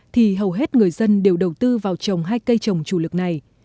thì hầu hết người dân đều đầu tư vào trồng hai cây trồng chủ lực này